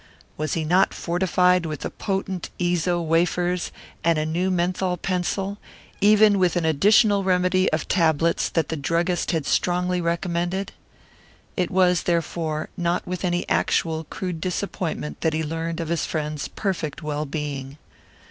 Was he not fortified with the potent Eezo wafers, and a new menthol pencil, even with an additional remedy of tablets that the druggist had strongly recommended? It was, therefore, not with any actual, crude disappointment that he learned of his friend's perfect well being.